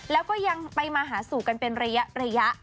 แล้วก็ยังไปมาหาสู่กันเป็นระยะ